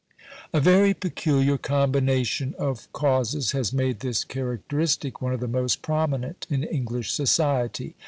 A very peculiar combination of causes has made this characteristic one of the most prominent in English society.